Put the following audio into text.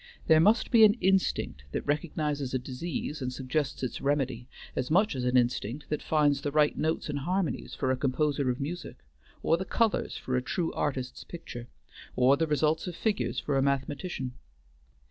There must be an instinct that recognizes a disease and suggests its remedy, as much as an instinct that finds the right notes and harmonies for a composer of music, or the colors for a true artist's picture, or the results of figures for a mathematician.